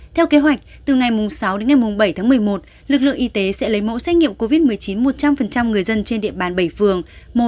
theo kế hoạch từ ngày sáu đến ngày bảy tháng một mươi một lực lượng y tế sẽ lấy mẫu xét nghiệm covid một mươi chín một trăm linh người dân trên địa bàn bảy phường một hai ba bốn năm tám chín